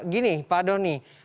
gini pak doni